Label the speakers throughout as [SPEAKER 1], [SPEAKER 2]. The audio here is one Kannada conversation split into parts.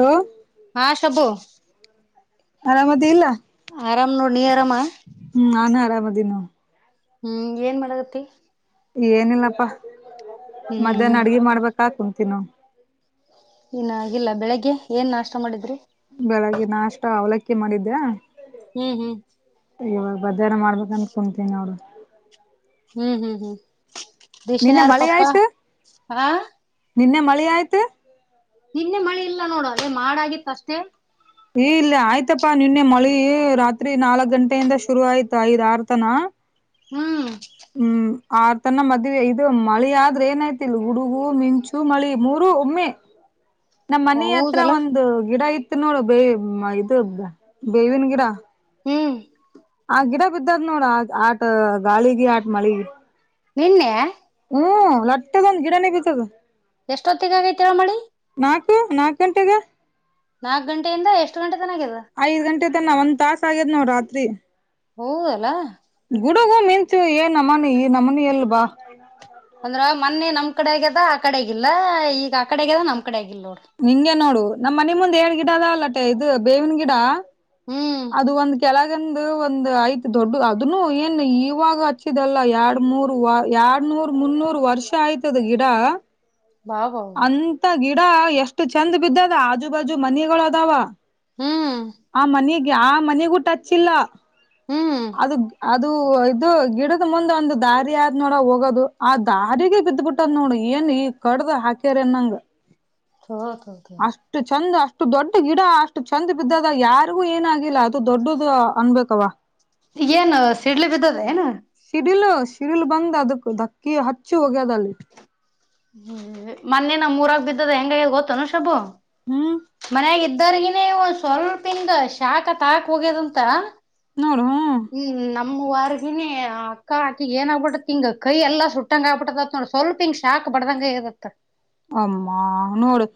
[SPEAKER 1] ಹ
[SPEAKER 2] ಹಾ ಶಬ್ಬು.
[SPEAKER 1] ಆರಾಮದಿಯಲ್ಲ.
[SPEAKER 2] ಆರಾಮ್ ನೋಡ್ ನೀ ಆರಾಮಾ.
[SPEAKER 1] ಹ್ಮ್ ನಾನು ಆರಾಮದೀನ್ ನೋಡ್.
[SPEAKER 2] ಹ್ಮ್ ಏನ್ ಮಾಡಗತ್ತಿ.
[SPEAKER 1] ಏನಿಲ್ಲಪ್ಪಾ
[SPEAKER 2] ಹ್ಮ್
[SPEAKER 1] ಮಧ್ಯಾಹ್ನ ಅಡ್ಗಿ ಮಾಡ್ಬೇಕಾ ಕುಂತಿನ.
[SPEAKER 2] ಇನ್ನು ಆಗಿಲ್ಲ ಬೆಳಿಗ್ಗೆ ಏನ್ ನಾಷ್ಟ ಮಾಡಿದ್ರಿ.
[SPEAKER 1] ಬೆಳಗ್ಗೆ ನಾಷ್ಟ ಅವಲಕ್ಕಿ ಮಾಡಿದ್ದೆ.
[SPEAKER 2] ಹ್ಮ್ ಹ್ಮ್.
[SPEAKER 1] ಇವಾಗ ಬಜ್ಜಿಯಾರ್ ಮಾಡ್ಬೇಕ ಅಂತ್ ಕುಂತೀನ್ ನೋಡು.
[SPEAKER 2] ಹ್ಮ್ ಹ್ಮ್ ಹ್ಮ್.
[SPEAKER 1] ನಿನ್ನೆ
[SPEAKER 2] ದಿಶಿನಾರ್ ಪಪ್ಪಾ
[SPEAKER 1] ಮಳೆಯಾಯ್ತು
[SPEAKER 2] ಹಾ
[SPEAKER 1] ನಿನ್ನೆ ಮಳೆಯಾಯ್ತು.
[SPEAKER 2] ನಿನ್ನೆ ಮಳೆ ಇಲ್ಲ ನೋಡ ಅದೇ ಮಾಡಗಿತ್ತಷ್ಟೇ.
[SPEAKER 1] ಹೇ ಇಲ್ಲಿ ಆಯ್ತಪ್ಪಾ ನಿನ್ನೆ ಮಳಿ ರಾತ್ರಿ ನಾಲ್ಕ್ ಗಂಟೆಯಿಂದ ಶುರು ಆಯ್ತ್ ಐದ್ ಆರ್ ತನ.
[SPEAKER 2] ಹ್ಮ್.
[SPEAKER 1] ಹ್ಮ್ ಆತನ ಮದ್ವೆ ಇದು ಮಳಿ ಆದ್ರೆ ಏನೈತ್ ಇಲ್ ಗುಡುಗು ಮಿಂಚು ಮಳಿ ಮೂರು ಒಮ್ಮೆ. [inaudible] ನಮ್ಮನಿ ಹತ್ರ
[SPEAKER 2] ಹೌದಲ್ಲ
[SPEAKER 1] ಒಂದು ಗಿಡ ಇತ್ತು ನೋಡು ಬೇ ಇದು ಬೇವಿನ ಗಿಡ.
[SPEAKER 2] ಹ್ಮ್.
[SPEAKER 1] ಆ ಗಿಡ ಬಿದ್ದದ್ ನೋಡ ಆಟ ಗಾಳಿಗೆ ಆಟ ಮಳಿಗೆ.
[SPEAKER 2] ನಿನ್ನೆ
[SPEAKER 1] ಹ್ಮ್ ಲಟ್ಟದೊಂದ್ ಗಿಡನೇ ಬೀತ್ತದ.
[SPEAKER 2] ಎಷ್ಟೊತ್ತಿಗೆ ಆಗೈತಿ ಹೇಳ ಮಳಿ
[SPEAKER 1] ನಾಕು ನಾಕ್ ಗಂಟೆಗೆ
[SPEAKER 2] ನಾಕ್ ಗಂಟೆಯಿಂದ ಎಷ್ಟು ಗಂಟೆ ತನಕ್ ಇದ.
[SPEAKER 1] ಐದ್ ಗಂಟೆ ತನ ಒಂದ್ ತಾಸ ಆಗ್ಯದ್ ನೋಡು ಹತ್ತಿ.
[SPEAKER 2] ಹೊ ಅಲಾ.
[SPEAKER 1] ಗುಡುಗು ಮಿಂಚು ಏನ್ ನಮ್ಮನಿ ಈ ನಮ್ಮನಿ ಇಲ್ ಬಾ.
[SPEAKER 2] ಅಂದ್ರ ಮೊನ್ನೆ ನಮ್ ಕಡೆ ಆಗ್ಯದ ಆ ಕಡೆ ಆಗಿಲ್ಲ ಈಗ ಆ ಕಡೆ ಆಗ್ಯದ ನಮ್ ಕಡೆ ಆಗಿಲ್ಲ ನೋಡ್ರಿ.
[SPEAKER 1] ನಿಂಗೆ ನೋಡು ನಮ್ ಮನೆ ಮುಂದ್ ಏನ್ ಗಿಡ ಅದಲ್ಲಟೆ ಇದು ಬೇವಿನ ಗಿಡ
[SPEAKER 2] ಹ್ಮ್
[SPEAKER 1] ಅದು ಒಂದ್ ಕೆಳ [unintelligible] ಒಂದ್ ಐತ್ ದೊಡ್ಡ ಅದನು ಏನ್ ಇವಾಗ ಹಚ್ಚಿದಲ್ಲ ಎರಡ್ ಮೂರು ವಾರ್ ಎರಡ್ ನೂರ್ ಮುನ್ನೂರು ವರ್ಷ ಆಯ್ತ್ ಅದ್ ಗಿಡ.
[SPEAKER 2] ಬಾಬಾ
[SPEAKER 1] ಅಂತ ಗಿಡ ಎಷ್ಟು ಚೆಂದ ಬಿದ್ದದ ಆಜು ಬಾಜು ಮನಿಗಳು ಅದಾವ.
[SPEAKER 2] ಹ್ಮ್
[SPEAKER 1] ಆ ಮನಿಗೆ ಆ ಮನಿಗೂ ಟಚ್ ಇಲ್ಲ.
[SPEAKER 2] ಹ್ಮ್.
[SPEAKER 1] ಅದು ಅದು ಇದು ಗಿಡದ ಮುಂದೆ ಒಂದು ದಾರಿ ಆದ್ ನೋಡ ಹೋಗೋದು ಆ ದಾರಿಗೆ ಬಿದ್ದುಬಿಟ್ ಟದ್ ನೋಡು ಏನ್ ಈ ಕಡ್ದ ಹಾಕ್ಯಾರ ಅನ್ನಂಗ.
[SPEAKER 2] ಥೋ ಥೋ ಥೋ.
[SPEAKER 1] ಅಷ್ಟು ಚೆಂದ ಅಷ್ಟು ದೊಡ್ಡ ಗಿಡ ಅಷ್ಟು ಚೆಂದ ಬಿದ್ದದ ಯಾರಿಗೂ ಏನಾಗಿಲ್ಲ ಅದು ದೊಡ್ಡದು ಅನ್ಬೇಕವ್ವ.
[SPEAKER 2] ಈಗ್ ಏನು ಸಿಡ್ಲ್ ಬಿದ್ದದ ಏನು.
[SPEAKER 1] ಸಿಡಿಲು ಸಿಡಿಲ್ ಬಂದ್ ಅದಕ್ಕ ಧಕ್ಕಿ ಹಚ್ಚಿ ಹೊಗ್ಯದ ಅಲ್ಲಿ.
[SPEAKER 2] ಹ್ಮ್ ಮೊನ್ನೆ ನಮ್ಮೂರಾಗ ಬಿದ್ದದ ಹೆಂಗ್ ಆಗ್ಯದ ಗೊತ್ತನು ಶಬ್ಬು.
[SPEAKER 1] ಹ್ಮ್.
[SPEAKER 2] ಮನ್ಯಾಗ ಇದ್ದರ್ಗಿನೇ ಒ ಸ್ವಲ್ಪಿಂದ ಶಾಖ ತಾಕ್ ಹೋಗ್ಯದಂತ.
[SPEAKER 1] ನೋಡು ಹೂ.
[SPEAKER 2] ಹ್ಮ್ ನಮ್ಮ್ ವಾರಗಿನಿ ಅಕ್ಕಾ ಆಕಿಗ್ ಏನ್ ಆಗ್ಬಿಟ್ಟತ್ ತಿಂಗ ಕೈ ಎಲ್ಲ ಸುಟ್ಟಂಗ ಆಬಿಟ್ಟದದ್ ನೋಡು. ಸ್ವಲ್ಪ ಹಿಂಗ್ ಶಾಕ್ ಬಡ್ದಂಗೆ ಆಗ್ಯದಂತ.
[SPEAKER 1] ಅಮ್ಮ ನೋಡು.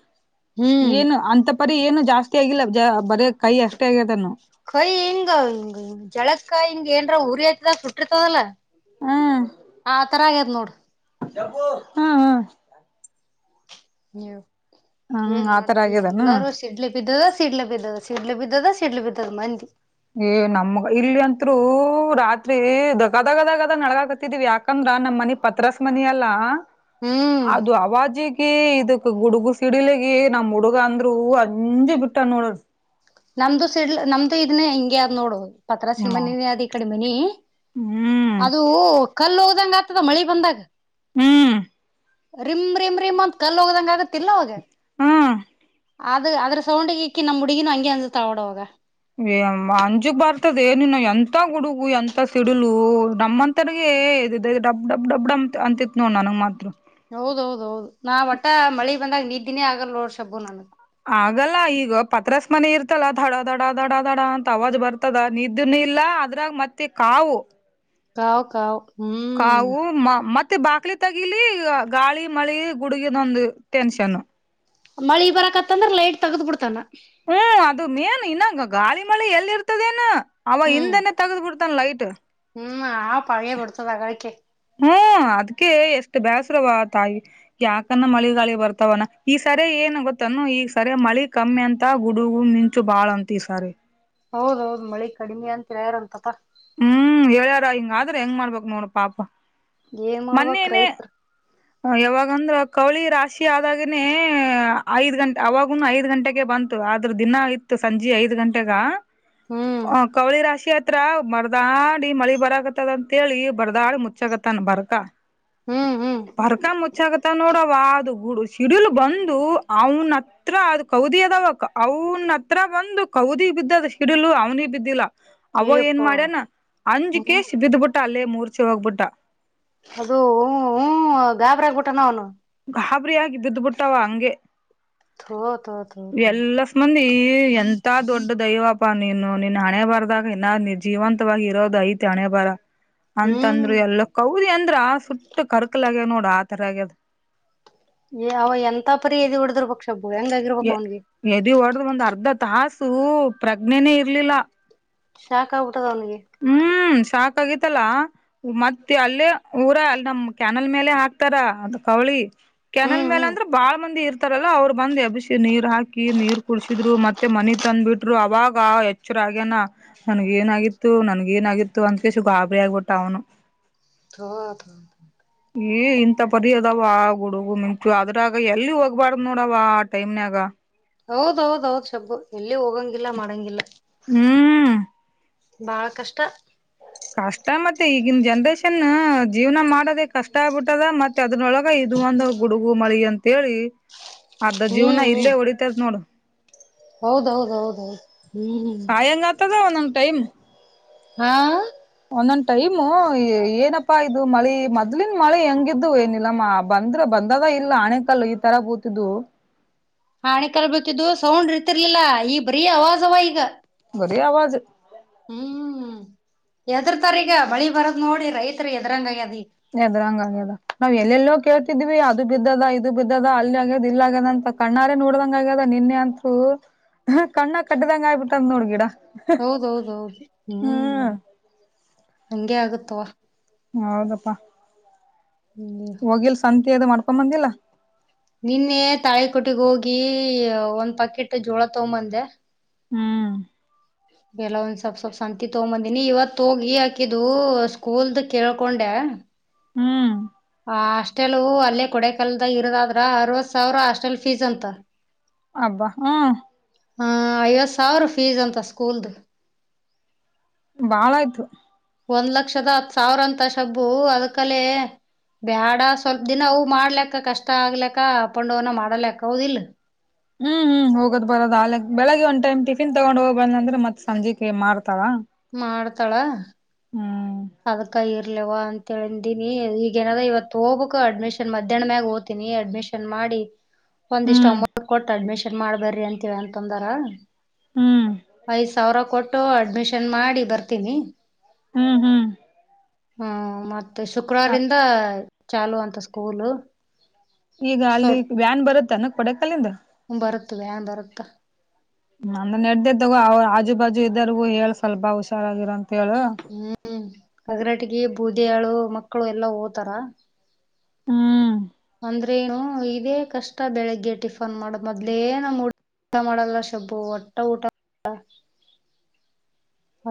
[SPEAKER 2] ಹ್ಮ್
[SPEAKER 1] ಏನು ಅಂತ ಪರಿ ಏನು ಜಾಸ್ತಿ ಆಗಿಲ್ಲ ಬರೇ ಕೈ ಅಷ್ಟೇ ಆಗ್ಯದನ್ನು.
[SPEAKER 2] ಕೈ ಹಿಂಗ ಜಳಕಾಯಿ ಹಿಂಗ ಏನ್ರ ಉರಿ ಆಯ್ತದ ಸುಟ್ಟಿರ್ತದಲ್ಲ
[SPEAKER 1] ಹ್ಮ್
[SPEAKER 2] ಆ ತರ ಆಗ್ಯದ ನೋಡು.
[SPEAKER 1] ಹ್ಮ್ ಹ್ಮ್.
[SPEAKER 2] ನೀವು
[SPEAKER 1] ಹ್ಮ್
[SPEAKER 2] ಏನ್
[SPEAKER 1] ಆತರ
[SPEAKER 2] ಮಾಡ್ತೀ
[SPEAKER 1] ಆಗ್ಯದನು
[SPEAKER 2] ಎಲ್ಲಾರೂ ಸ್ ಸಿಡ್ಲ ಬಿದ್ದದ ಸಿಡ್ಲ ಬಿದ್ದದ ಸಿಡ್ಲ ಬಿದ್ದದ ಸಿಡ್ಲ ಬಿದ್ದದ ಮಂದಿ.
[SPEAKER 1] ಏ ನಮ್ಗ ಇಲ್ಲಿ ಅಂತ್ರು ರಾತ್ರಿ ದಗ ದಗ ದಗ ನಡಗಕತ್ತಿದಿವಿ ಯಾಕ ಯಾಕಂದ್ರ ನಮ್ಮ್ ಮನಿ ಪತ್ರಸ್ ಮನಿ ಅಲ್ಲ
[SPEAKER 2] ಹ್ಮ್
[SPEAKER 1] ಅದು ಅವಾಜಿ ಕೀ ಇದಕ್ ಗುಡುಗು ಸಿಡಿಲಿಗ ನಮ್ ಹುಡುಗ ಅಂದ್ರು ಅಂಜೆ ಬಿಟ್ಟ ನೋಡ.
[SPEAKER 2] ನಮ್ದು ಸಿಡ್ಲ್ ನಮ್ದು ಇದನ್ನ ಹಿಂಗೆ ಅದ್ ನೋಡು. ಪತ್ರಾಸಿನ
[SPEAKER 1] ಹ್ಮ್
[SPEAKER 2] ಮನಿನೆ ಅದ ಈ ಕಡಿ ಮನಿ
[SPEAKER 1] ಹ್ಮ್
[SPEAKER 2] ಅದು ಕಲ್ ಒಗದಂಗ್ ಆಗ್ತದ ಮಳಿ ಬಂದಾಗ.
[SPEAKER 1] ಹ್ಮ್.
[SPEAKER 2] ರಿಮ್ ರಿಮ್ ರಿಮ್ ಅಂತ ಕಲ್ ಒಗ್ದಂಗ ಆಗತ್ತಿಲ್ಲ ಅವಾಗ.
[SPEAKER 1] ಹ್ಮ್
[SPEAKER 2] ಅದು ಅದ್ರ ಸೌಂಡ್ಗ್ ಈಕಿ ನಮ್ಮ ಹುಡುಗಿನು ಹಂಗೆ ಅಂಜ್ತಾಳ ನೋಡ್ ಆವಾಗ.
[SPEAKER 1] ಏ ಅಂಜುಗ್ ಬರ್ತದ ಏನು ಎಂತ ಗುಡುಗು ಎಂತ ಸಿಡಿಲು ನಮ್ಮಂತ ತಡೆಗೆ ಇದೆ ಡಬ್ ಡಬ್ ಡಬ್ ಡಮ ಅಂತಿತ್ ನೋಡ್ ನನಗ್ ಮಾತ್ರ.
[SPEAKER 2] ಹೌದ್ ಹೌದ್ ಹೌದು ನಾ ಒಟ್ಟ ಮಳಿ ಬಂದಾಗ ನೀದ್ದಿನೇ ಆಗಲ್ ನೋಡ್ ಶಬ್ಬು ನನಗ್.
[SPEAKER 1] ಆಗಲ್ಲ ಈಗ ಪತ್ರಸ್ ಮನೆ ಇರ್ತಲ್ಲ ದಡ ದಡ ದಡ ದಡ ಅಂತ ಅವಾಜ್ ಬರ್ ತದ ನಿದ್ದನು ಇಲ್ಲ ಅದ್ರಾಗ ಮತ್ತೆ ಕಾವು.
[SPEAKER 2] ಕಾವ್ ಕಾವ್ ಹ್ಮ್.
[SPEAKER 1] ಕಾವು ಮ ಮತ್ತೆ ಬಾಕ್ಲು ತಗಿಲಿ ಗಾಳಿ ಮಳೆ ಗುಡುಗಿನೊಂದು ಟೆನ್ಷನ್.
[SPEAKER 2] ಮಳಿ ಬರಕತ್ತಂದ್ರ ಲೈಟ್ ತಗ್ದ್ಬಬಿಡ್ತಾನ.
[SPEAKER 1] ಹ್ಮ್ ಅದು ಮೇನ್ ಇನ್ನಂಗ ಗಾಳಿ ಮಳೆ ಎಲ್ಲಿ ಇರ್ತದೇನ ಅವ
[SPEAKER 2] ಹ್ಮ್
[SPEAKER 1] ಹಿಂದನೆೇ ತಗ್ದ್ ಬಿಡ್ತ್ ತ್ತ ಲೈಟು.
[SPEAKER 2] ಹ್ಮ್ ಆ [unintelligible]
[SPEAKER 1] ಹ್ಮ್ ಅದ್ಕೆ ಎಷ್ಟು ಬೇಸ್ರವ ತಾಯಿ. ಯಾಕಂದ ಮಳಿಗಾಳಿ ಬರ್ತವನಾ ಈ ಸರಿ ಏನು ಗೊತ್ತಾನ ಈ ಸರಿ ಮಳಿ ಕಮ್ಮಿ ಅಂತ ಗುಡುಗು ಮಿ ಚು ಬಾಳ ಅಂತ ಈ ಸಾರಿ.
[SPEAKER 2] ಹೌದೌದು ಮಳಿ ಕಡಿಮೆ ಅಂತೇರತಪ.
[SPEAKER 1] ಹ್ಮ್ ಹೇಳ್ಯಾರ ಹಿಂಗ ಆದ್ರ ಹೆಂಗ್ ಮಾಡ್ಬೇಕ್ ನೋಡ್ ಪಾಪ
[SPEAKER 2] ಏನ್ ಮಾಡ್ಬೇಕ್
[SPEAKER 1] ಮೊನ್ನೇನೆೇ
[SPEAKER 2] ರೈತ್ರು
[SPEAKER 1] ಹ ಯಾವಾಗೋಂದ್ ಕೌಳಿ ರಾಶಿ ಆದಾಗನೇ ಐದ್ ಗಂಟೆ ಅವಾಗನು ಐದ್ ಗಂಟೆಗೆ ಬಂತ್ ತು ಆದ್ರ ದಿನ ಇತ್ತು ಸಂಜೆ ಐದ್ ಗಂಟೆಗ
[SPEAKER 2] ಹ್ಮ್
[SPEAKER 1] ಅ ಕೌಳಿ ರಾಶಿ ಹತ್ರ ಬರ್ದಾಡಿ ಮಳಿ ಬರಗತ್ತದಂತೇಳಿ ಬರ್ದಾಡಿ ಮುಚ್ಚಾಗತ್ತನ್ ಬರ್ಕ
[SPEAKER 2] ಹ್ಮ್ ಹ್ಮ್
[SPEAKER 1] ಬರ್ಕ ಮುಚ್ಚಾಗತ್ತ ನೋಡು ವ ಅದು ಗುಡು ಸಿಡಿಲ್ ಬಂದು ಅವನತ್ತ್ ಹತ್ರ ಅದು ಕೌದಿ ಅದಾವ ಅವನ್ ಹತ್ರ ಬಂದು ಕೌದಿಗ್ ಬಿದ್ದದ ಸಿಡಿಲು ಅವ್ನಿಗೆ ಬಿದ್ದಿಲ್ಲ. ಅವಾ ಏನ್
[SPEAKER 2] ಏಪ್ಪಾ
[SPEAKER 1] ಮಾಡ್ಯನ
[SPEAKER 2] ಹ್ಮ್
[SPEAKER 1] ಅಂಜ್ಕೇಶಿ ಬಿದ್ಬಿಟ್ಟ ಅಲ್ಲೇ ಮೂರ್ಛೆ ಹೋಗ್ಬಿಟ್ಟ.
[SPEAKER 2] ಅದು ಹ ಹ ಗಾಬ್ರ ಆಗ್ಬಿಟ್ಟಾನ ಅವನು.
[SPEAKER 1] ಗಾಬ್ರಿ ಆಗಿ ಬಿದ್ ಬಿಟ್ಟವ ಹಂಗೆ.
[SPEAKER 2] ಥು ಥು
[SPEAKER 1] ಎಲ್ಲಾಕ್ ಮಂದಿ ಎಂತ ದೊಡ್ಡ್ ದೈವ ಪ್ಪ ನೀನು ನಿನ್ನ ಹಣೆ ಬಾರದಾಗ ಇನ್ನ ಜೀವಂತವಾಗಿ ಹೀರೋದ ಐತಿ ಹಣೆಬರ.
[SPEAKER 2] ಹ್ಮ್
[SPEAKER 1] ಅಂತಂದ್ರು ಎಲ್ಲ, ಕೌದಿ ಅಂದ್ರ ಆ ಸುಟ್ಟು ಕರ್ಕಲ ಆಗ್ಯ ನೋಡ್ ಆ ತರ ಆಗ್ಯದ.
[SPEAKER 2] ಅವ ಎಂತ ಪರ ಎದಿ ಒಡ್ಡಿರ್ರ್ರ್ಬಹುದು [unintelligible] ಹೆಂಗಾಗಿರ್ಬೇಕ್ ಅವನಿಗೆ
[SPEAKER 1] ಎದಿ ಹೊಡ್ದ್ ಒಂದ್ ಅರ್ಧ ತಾಸು ಪ್ರಜ್ಞೆನೇ ಇರ್ಲಿಲ್ಲ.
[SPEAKER 2] ಶಾಕ್ ಆಗ್ಬಿಟ್ಟದ್ ಅವನಿಗೆ.
[SPEAKER 1] ಹ್ಮ್ ಸಶಾಕ್ ಆಗಿತ್ತಲ್ಲ. ಮತ್ತೆ ಅಲ್ಲೇ ಊರ ಅಲ್ಲಿ ನಮ್ ಕ್ಯಾನಲ್ ಮೇಲೆ ಹಾಕ್ತಾರ ಅದು ಕವ್ಳಿ. ಕ್ಯನಲ್
[SPEAKER 2] ಹ್ಮ್
[SPEAKER 1] ಮೇಲ
[SPEAKER 2] ಹ್ಮ್
[SPEAKER 1] ಅಂದ್ರೆ ಬಾಳ ಮಂದಿ ಇರ್ತ ತರಲ್ಲ ಅವ್ರು ಬಂದ ಎಬ್ಸಿ ನೀರ್ ಹಾಕಿ ನೀರ್ ಕುಡಸಿದ್ರು ಮತ್ತೆ ಮನಿ ತಂದ್ ಬಿಟ್ರು ಅವಾಗ ಚುರು ಆಗ್ಯೆನಾ ನನ್ಗ್ ಏನಾಗಿತ್ತು ನನ್ಗ್ ಏನಾಗಿತ್ತು ಅಂತ ತುಸು ಗಾಬರಿ ಆಗ್ಬಿಟ್ಟ ಅವನು.
[SPEAKER 2] ಹ ಹ
[SPEAKER 1] ಏ ಇಂತ ಪರಿ ಅದವ ಗುಡುಗು ಮಿಂಚು ಅದ್ರಾಗ ಎಲ್ಲಿ ಹೋಗ್ಬಾರ್ದ್ ನೋಡವ ಆ ಟೈಮ್ನಾಗ.
[SPEAKER 2] ಹೌದೌದ್ ಹೌದ್ ಶಬ್ಬು ಎಲ್ಲಿ ಹೋಗಂಗಿಲ್ಲ ಮಾಡಂಗಿಲ್ಲ.
[SPEAKER 1] ಹ್ಮ್
[SPEAKER 2] ಬಾಳ ಕಷ್ಟ.
[SPEAKER 1] ಕಷ್ಟ ಮತ್ತೆ ಈಗಿನ್ ಜನ್ರೇಷನ್ ಜೀವನ ಮಾಡೋದೇ ಕಷ್ಟ ಆಗ್ಬಿಟ್ಟದ ಮತ್ತ್ ತ್ತೆ ಅದ್ರೊಳಗ ಇದು ಒಂದು ಗುಡುಗು ಮಳಿ ಅಂತೇಳಿ ಅರ್ದ
[SPEAKER 2] ಹ್ಮ್
[SPEAKER 1] ಜೀವನ ಇಲ್ಲೇ ಹೊಡಿತದ ನೋಡು.
[SPEAKER 2] ಹೌದೌದ ಹೌದೌದು.
[SPEAKER 1] ಸಾಯಂಗಾತದೆ ಒಂದೊಂದ್ ಟೈಮು.
[SPEAKER 2] ಹಾ
[SPEAKER 1] ಒಂದೊಂದ್ ಟೈಮು ಏನಪ್ಪಾ ಇದು ಮಳಿ ಮೊದ್ಲಿನ್ ಮಳೆ ಹೆಂಗಿದ್ದು ಏ ನೀಲ್ಲಮ್ಮ. ಬಂದ್ರ ಬಂದದ ಇಲ್ಲ ಹಣೆಕಲ್ಲು ಈ ತರ ಗೂತಿದ್ವು.
[SPEAKER 2] ಹಾಣಿ ಕಲ್ ಬಟ್ಟಿದ್ದು ಸೌಂಡ್ ಇರ್ತಿರ್ಲಿಲ್ಲಾ ಈ ಬರೀ ಅವವಾಜವ ಈಗ.
[SPEAKER 1] ಬರೀ ಆವಾಜು.
[SPEAKER 2] ಹ್ಮ್ ಎದ್ರತಾರ ಈಗ ಮಳಿ ಬರದ್ ನೋಡಿ ರೈತರಿ ಎದ್ರಂಗಗ್ಯದ
[SPEAKER 1] ಎದ್ರಂಗಂಗ್ಯದ ನಾವ್ ಎಲ್ಲೆಲ್ಲೋ ಕೇಳ್ತಿದೀವಿ ಅದು ಬಿದ್ದದ ಇ ಬಿದ್ದದ ಅಲ್ಲಿ ಆಗ್ಯದ ಇಲ್ಲ ಆಗ್ಯದಂತ ಕಣ್ಣಾರೆೇ ನೋಡ್ದಂಗ ಆಗ್ಯದ ನಿನ್ನೆ ಅಂತೂ ಹ ಕಣ್ಣ ಕಟ್ಟ್ದಂಗ ಆಯ್ಬಿಟ್ಟದ್ ನೋಡ್ ಗಿಡ
[SPEAKER 2] ಹೌದೌದೌದು ಹ್ಮ್ ಹಂಗಗೆ ಆಗತ್ವಾ
[SPEAKER 1] ಹ ಹೌದಪ್ಪಾ
[SPEAKER 2] ಹ್ಮ್
[SPEAKER 1] ಹೋಗಿಲ್ ಸಂತೆ ಅದು ಮಾಡ್ಕೊ ಬಂದಿಲ್ಲಾ
[SPEAKER 2] ನಿನ್ನೆ ತಾಳಿಕಟ್ಟಿಗೆ ಹೋಗಿ ಒಂದ್ ಪಾಕೆಟ್ ಜೋಳ ತ ಬಂದೆ
[SPEAKER 1] ಹ್ಮ್
[SPEAKER 2] ಬೆಲ ಒಂದ ಸ್ವಲ್ಪ್ ಸ್ೊಲ್ಪ್ ಸಂತಿ ತಗೊಂಬಂದಿನಿ ಇವತ್ ತೋಗಿ ಅಕಿದು ಸ್ಕೂಲ್ದ ಕೇಳ್ಕೊಂಡೆ
[SPEAKER 1] ಹ್ಮ್
[SPEAKER 2] ಹಾಸ್ಟೆಲ್ ಅಲ್ಲೇ ಕೊಡೆ ಕಲ್ದ ಇರೋದಾದ್ರ ಅರವತ್ ಸಾವಿರ ಹಾಸ್ಟೆಲ್ ಫೀಸ್ ಅಂತ
[SPEAKER 1] ಅಬ್ಬಾ ಹ್ಮ
[SPEAKER 2] ಹ ಐವತ್ತು ಸಾವಿರ ಫೀಸ್ ಅಂತ ಸ್ಕೂಲ್ದು
[SPEAKER 1] ಬಾಳ ಆಯ್ತು
[SPEAKER 2] ಒಂದ್ ಲಕ್ಷದ ಹತ್ ಸಾವಿರ ಅಂತ ಶಬ್ಬು ಅದ್ಕಲೆೇ ಬೇಡ ಸ್ವಲ್ಪ ದಿನ ಅವು ಮಾಡ್ಲಕ್ಕ ಕಷ್ಟ ಆಗ್ಲಕ್ಕ ಅಪ್ಪೊಂಡ್ವನ ಮಾಡಲಕ್ಕ ಅವದಿಲ್ಲ
[SPEAKER 1] ಹ್ಮ್ ಹ್ಮ್ ಹೋಗೋದ ಬರದು ಅ ಆೇಗ್ ಬೆಳಗ್ ಒಂದ್ಟೈ್ ಟಿಫಿನ್ ತಗೊಂಡ್ ಹೋಗ್ ಬಂದ ಅಂದ್ರೆ ಮತ್ೆ ಸಂಜಿಕೆ ಮಾಡ್ತಾರ
[SPEAKER 2] ಮಾಡ್ತಾಳ
[SPEAKER 1] ಹ್ಮ್
[SPEAKER 2] ಅದ್ಕ ಇರ್ಲವಾ ಅಂತಂದಿನಿ ಈಗ ನಾದ ಇವತ್ತು ಹೋಗ್ಬೇಕಕ್ು ಅಡ್ಮಿಷನ್ ಮಧ್ಯಾಹ್ನ ಮ್ಯಾಗ ಓ್ತೀನಿ ಅಡ್ಮಿಷನ್ ನ್ ಮಾಡಿ
[SPEAKER 1] [inaudible]
[SPEAKER 2] ಒಂದಿಷ್ಟ ಒಂಬತ್ ಕೊಟ್ಟ ಅಡ್ಮಿಷನ್ ಮಾಡ್ಬರ್ರಿ ಅಂತೀವ ಅಂತಂದರ
[SPEAKER 1] ಹ್ಮ್
[SPEAKER 2] ಐದ್ ಸಾವಿರ ಕೊಟ್ಟು ಅಡ್ಮಿಷನ್ ಮಾಡಿ ಬರ್ತೀನಿ
[SPEAKER 1] ಹ್ಮ್ ಹ್ಮ್
[SPEAKER 2] ಹ್ಮ ಮತ್ತೆ ಶುಕ್ರವಾರಿಂದ ಚಾಲು ಅಂತ ಸ್ಕೂಲು
[SPEAKER 1] ಈಗ ಅಲ್ಲಿ ವ್ಯಾನ್ ಬರುತ್ತ ಅನ ಕೊಡೆ ಕಾಲಿಂದ
[SPEAKER 2] ಬತ್ತ ಬ್ಯಾನ್ ಬರುತ್ತಾ
[SPEAKER 1] ಅಂದ್ರೆ ನೆಡ್ದ್ದಗ ಅವ ಆಜು ಬಾಜು ಇದರ್ಗು ಹೇಳ ಸ್ವಲ್ಪ ಹುಷಾರಾಗಿರ ಅಂತ ಹೇಳ
[SPEAKER 2] ಹ್ಮ್ ಅಗರಾಟಗ ಬೂದಿಯಾಳು ಮಕ್ಕಳು ಎಲ್ಲಾ ಹೋ್ತಾರ
[SPEAKER 1] ಹ್ಮ್
[SPEAKER 2] ಅಂದ್ರೆ ನು ಇದೇ ಕಷ್ಟ ಬೆಳಗ್ಗೆ ಟಿಫನ್ ಮಾಡೋ ಮೊದ್ಲೇ ನ ಊಟ ಮಾಡಲ್ಲ ಶಬ್ಬು ಒಟ್ಟ ಊಟ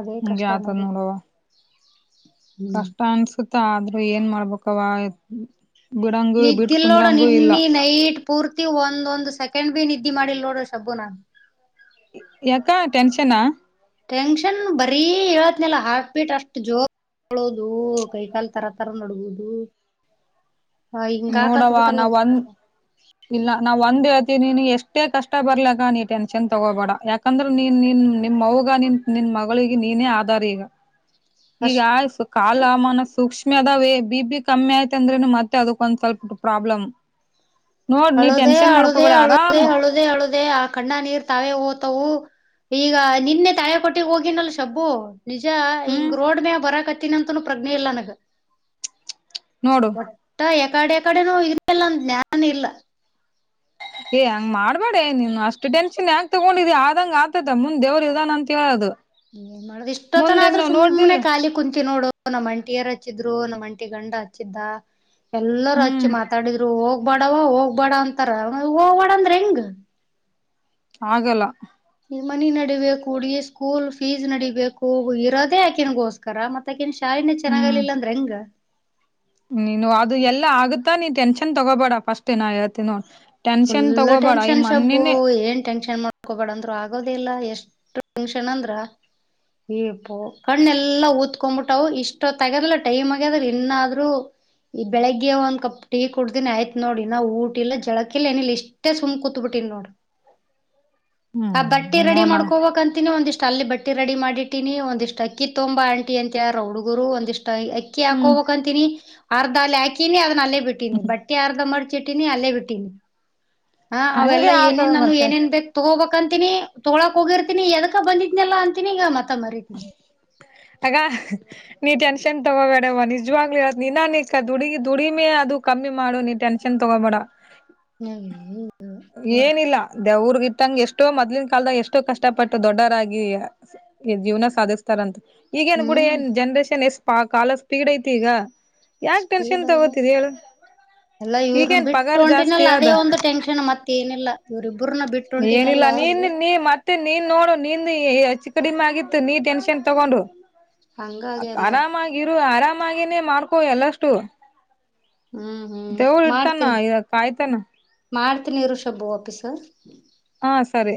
[SPEAKER 2] ಅದೇ
[SPEAKER 1] ಹಿಂಗೆ
[SPEAKER 2] ಕಷ್ಟ ನೋಡಿ
[SPEAKER 1] ಯತನ್ನೋಡವ
[SPEAKER 2] ಹ್ಮ್
[SPEAKER 1] ಕಷ್ಟ ಅನ್ಸುತ್ತ ಆದ್ರೂ ಏನ್ ಮಾಡ್ಬೇಕವ ಬಿಡಂಗು ಬಿಟ್
[SPEAKER 2] ನಿದ್ದಿಲ್ ನೋಡ
[SPEAKER 1] ಕುಂದ್ರಂಗೂ ಇಲ್ಲ
[SPEAKER 2] ನಿನ್ನ ನೈಟ್ ಪೂರ್ತಿ ಒಂದೊಂದು್ ಸೆಕಂಡ್ ಬಿ ನಿದ್ದಿ ಮಾಡಿಲ್ ನೋಡ್ರಿ ಶಬ್ಬು ನಾನ್
[SPEAKER 1] ಯಕ್ಕ ಟೆನ್ಷನಾ
[SPEAKER 2] ಟೆನ್ಷನ್ ಬರ ಹೇಳತ್ನಲ್ಲ ಹಾರಟ್ ಬೀಟ್ ಅಷ್ಟು ಜೋರ್ ಳೋದು ಕೈಕಾಲ್ ತರ ತರ ನಡ್ಗೋುದು ಹ ಇಂಗಾ ಕಾತ್ತು
[SPEAKER 1] ನೋಡವ
[SPEAKER 2] ಬಿಟ್ಟ
[SPEAKER 1] ನಾವ್ ಒಂದ್ ಇಲ್ಲ ನಾವವು ಒಂದ್ ಹೇಳ್ತನ ನೀ ಎಷ್ಟೇ ಕಷ್ಟ ಬರ್ಲಕ್ಕ ನೀ ಟೆನ್ಷನ್ ತಗೋಬೇಡ ಯಾಕ ಯಾಕಂದ್ರೆ ನೀನ್ ನಿನ್ ನಿಮ್ಮವಗ ನಿನ್ ನಿನ್ ಮಗಳಿಗೆ ನೀನೇ ಆಧಾರ್ ಈಗ ಈಗ್
[SPEAKER 2] ಅಷ್ಟ
[SPEAKER 1] ಆಯಸ್ಸು ಕಾಲಮಾನು ಸೂಕ್ಷ್ ಕಮ್ಮಿ ಅದಾವೆ ಬಿ ಪಿ ಕಮ್ಮಿ ಆಯ್ತ್ ಅಂದ್ರೆನು ಮತ್ತೆ ಅದಕ್ಕೊಂದ್ ಸ್ವಲ್ಪ ಪ್ರಾಬ್ಲಮ್. ನೋಡ್ ನೀ
[SPEAKER 2] ಅಳುದೇ
[SPEAKER 1] ಟೆನ್ಷನ್
[SPEAKER 2] ಅಳುದೇ
[SPEAKER 1] ಮಾಡ್ಕೋಬೇಡ
[SPEAKER 2] ಅಳುದೇ
[SPEAKER 1] ಆರಾಮ್
[SPEAKER 2] ಅಳುದೇ ಅಳುದೇ ಆ ಕಣ್ಣಾಗ್ ನೀರ್ ತಾವೇ ಹೋತವು. ಈಗ ನಿನ್ನೆ ತಾಳೆ ಕೊಟ್ಟಿ ಹೋಗಿನಲ್ಲ ಶಬ್ಬು ನಿಜ
[SPEAKER 1] ಹ್ಮ್
[SPEAKER 2] ಹಿಂಗ ರೋಡ್ ಮ್ಯಾಗ್ ಬರಕತ್ತೀನಂತನೂ ಪ್ರಜ್ಞೆ ಇಲ್ ನನಗ
[SPEAKER 1] ನೋಡು
[SPEAKER 2] ಒಟ್ಟ ಯಕಡೆ ಯಕಡೆನೋ [unintelligible] ಜ್ಞಾನ ಇಲ್ಲ.
[SPEAKER 1] ಏ ಹೆಂಗ್ ಮಾಡ್ಬ್ಯಾಡೆ ನೀನು ಅಷ್ಟು ಟೆನ್ಷನ್ ಯಾಕ್ ತಗೊಂಡಿದಿ ಆದಂಗ್ ಆಗ್ತೈತ ಮುಂದ್ ದೇವರು ಇದಾನಂತ್ ಹೇಳದು
[SPEAKER 2] ಏನ್ ಮಾಡುದ್ ಇಷ್ಟತನ
[SPEAKER 1] ಮುಂದೆ
[SPEAKER 2] ಆದ್ರೂ
[SPEAKER 1] ಇನ್ನು
[SPEAKER 2] ಸುಮ್ನೆ
[SPEAKER 1] ನೋಡ್ದಿಲ್
[SPEAKER 2] ಖಾಲಿ ಕುಂತಿ ನೋಡು. ನಮ್ ಅಂಟಿಯರ್ ಹಚ್ಚಿದ್ರು ನಮ್ಮ್ ಅಂಟಿ ಗಂಡ ಹಚ್ಚಿದ್ದ ಎಲ್ಲರು ಹಚ್ಚಿ
[SPEAKER 1] ಹ್ಮ್
[SPEAKER 2] ಮಾತಾಡಿದ್ರು ಹೋಗ್ ಬ್ಯಾಡವ್ವ ಹೋಗ್ ಬ್ಯಾಡ ಅಂತಾರ ಹೋಗ್ಬಡ ಅಂದ್ರ ಹೆಂಗ್
[SPEAKER 1] ಆಗಲ್ಲ
[SPEAKER 2] ಈ ಮನಿ ನಡಿಬೇಕು ಹುಡುಗಿ ಸ್ಕೂಲ್ ಫೀಸ್ ನಡಿಬೇಕು ಇರೋದೇ ಆಕೆನಗೋಸ್ಕರ ಮತ್ತಾಕೆನ್ ಶಾ ಶಾಲಿನೆ
[SPEAKER 1] ಹ್ಮ್
[SPEAKER 2] ಚೆನ್ನಾಗ್ಲಿಲ್ಲ ಅಂದ್ರ ಹೆಂಗ
[SPEAKER 1] ನೀನು ಅದು ಎಲ್ಲಾ ಆಗುತ್ತಾ ನೀನ್ ಟೆನ್ಷನ್ ತಗೋಬೇಡ ಫಸ್ಟೆ ನಾ ಹೇಳ್ತೀನ್ ನೋಡ್. ಟೆನ್ಷನ್
[SPEAKER 2] ಫುಲ್
[SPEAKER 1] ತಗೋಬೇಡ ಈ
[SPEAKER 2] ಟೆನ್ಷನ್ ಶಬ್ಬು
[SPEAKER 1] ಮೊನ್ನೆನೆ
[SPEAKER 2] ಏನ್ ಟೆನ್ಷನ್ ಮಾ ಕೊ ಬ್ಯಾಡ ಅಂದ್ರು ಆಗೋದಿಲ್ಲ ಎಷ್ಟು ಟೆನ್ಷನ್ ಅಂದ್ರ ಅಯ್ ಇಪ್ಪೋ ಕಣ್ ಎಲ್ಲಾ ಊತ್ಕೊಂಬಿಟ್ಟಾವು ಇಷ್ಟ ತಗ್ಯದಲ್ಲ ಟೈಮ್ ಆಗ್ಯದ್ರ ಇನ್ನಾದ್ರು ಈ ಬೆಳಗ್ಗೆ ಒಂದ್ ಕಪ್ ಟೀ ಕುಡ್ತೀನಿ ಆಯ್ತ್ ನೋಡ್ ಇನ್ ಊಟ ಇಲ್ಲ ಜಳಕ್ ಕಿಲ್ಲ ಏನಿಲ್ಲ ಇಷ್ಟೆ ಸುಮ್ ಕೂತ್ಬಿಟ್ಟಿನ್ ನೋಡ್. ಆ
[SPEAKER 1] ಹ್ಮ್
[SPEAKER 2] ಬಟ್ಟಿ ರೆಡಿ
[SPEAKER 1] ನೋನ
[SPEAKER 2] ಮಾಡ್ಕೋಬೇಕಂತೀನಿ ಒಂದಿಷ್ಟ್ ಅಲ್ಲಿ ಬ ಟಿ ರೆಡಿ ಮಾಡಿಟ್ಟೀನಿ ಒಂದಿಷ್ಟ್ ಅಕ್ಕಿ ತೊಂಬಾ ಆಂಟಿ ಅಂತ ಹೇಳ್ಯಾರ ಹುಡುಗರು ಒಂದಿಷ್ಟ್ ಅಕ್ಕಿ ಹಾಕ್
[SPEAKER 1] ಹ್ಮ್
[SPEAKER 2] ಹೊಬೇಕಂ ಟಿನಿ ಅರ್ಧ ಅಲ್ಲಿ ಹಾಕಿನಿ ಅದನ್ನ ಅಲ್ಲೇ ಬಿಟ್ಟೀನಿ ಬಟ್ಟೆ ಅರ್ಧ ಮಾಡ್ಚಿಟ್ಟೀನಿ ಅಲ್ಲೇ ಬಿಟ್ಟೀನಿ. ಹಾ ಅವೆಲ್ಲ
[SPEAKER 1] ಹಂಗೆ ಆತದ
[SPEAKER 2] ಏನೇನ್ ನಾನು
[SPEAKER 1] ಮತ್ತೆ
[SPEAKER 2] ಏನೇನ್ ಬೇಕ್ ತಗೋಬೇಕ ಅಂತಿನಿ ತೊಗೋಳಾಕ್ ಹೋಗಿರ್ತೀನಿ ಎದಕ ಬಂದಿದ್ನಲ್ಲ ಅಂತಿನಿ ಈಗ ಮತ್ತ ಮರಿತೀನಿ.
[SPEAKER 1] ತಗ ನೀ ಟೆನ್ಷನ್ ತಗ ಬೇಡವ ನಿಜ್ವಾಗ್ಲಿ ಹೇಳತ್ನ್ ನಿನ ನೀ ದುಡಿ ದುಡಿಮೆ ಅದು ಕಮ್ಮಿ ಮಾಡು ನೀ ಟೆನ್ಷನ್ ತಗೋಬೇಡ.
[SPEAKER 2] ಹ್ಮ್
[SPEAKER 1] ಏನಿಲ್ಲ ದೇವ್ರಗ ಇಟ್ಟಂಗ ಎಷ್ಟೋ ಮೊದ್ಲಿನ್ ಕಾಲದಾಗ ಎಷ್ಟೋ ಕಷ್ಟಪಟ್ಟು ದೊಡ್ಡರಾಗಿ ಈ ಜೀವನ ಸಾಧಿಸ್ತಾರಂತ ಈಗ ಏನ್ ಬಿಡ್
[SPEAKER 2] ಹ್ಮ್
[SPEAKER 1] ಏನ್ ಜನ್ರೇಷನ್ ಎಷ್ಟ ಕಾಲ ಸ್ಪೀಡ್ ಐತಿ ಈಗ. ಯಾಕ್ ಟೆನ್ಷನ್ ತಗೋತಿದಿ ಹೇಳು
[SPEAKER 2] ಅಲ್ಲ ಇವ್ರನ್ನ ಬಿಟ್ಟು ಹೊಂಟಿನಲ್ಲ
[SPEAKER 1] ಆದ
[SPEAKER 2] ಅದೇ ಒಂದು ಟೆನ್ಷನ್ ಮತ್ತ ಏನಿಲ್ಲ ಇವ್ರರಿಬ್ರನ್ನ ಬಿಟ್
[SPEAKER 1] ಏನಿಲ್ಲ ನೀನ್ ನೀ ಮ ತ್ತೆ ನೀನ್ ನೋಡು ನಿಂದ ಹೆಚ್ ಕಡಿಮೆ ಆಗಿತ್ತು ನೀ ಟೆನ್ಷನ್ ತಗೊಂಡು ಅ
[SPEAKER 2] ಹಂಗಾಗ್ಯ ನೋಡ್
[SPEAKER 1] ಆರಾಮಾಗಿರು ಆರಾಮಾಗಿನೇ ಮಾಡ್ಕೊ ಎಲ್ಲಷ್ಟು
[SPEAKER 2] ಹ್ಮ್ ಹ್ಮ್
[SPEAKER 1] ದೇವ್ರ್ ಇರ್ತಾನ
[SPEAKER 2] ಮಾಡ್ತೀನಿ
[SPEAKER 1] ಯ ಈಗ್ ಕಾಯ್ತಾನ.
[SPEAKER 2] ಮಾಡ್ತೀನಿ ಇರು ಶಬ್ಬು ವಾಪೀಸು
[SPEAKER 1] ಹಾ ಸರಿ